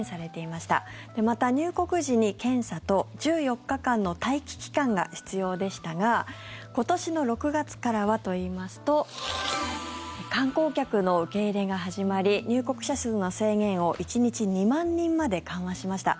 また、入国時に検査と１４日間の待機期間が必要でしたが今年の６月からはといいますと観光客の受け入れが始まり入国者数の制限を１日２万人まで緩和しました。